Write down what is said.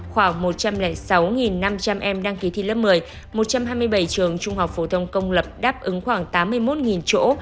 khoảng một trăm linh sáu năm trăm linh em đăng ký thi lớp một mươi một trăm hai mươi bảy trường trung học phổ thông công lập đáp ứng khoảng tám mươi một chỗ